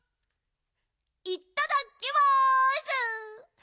いっただきます！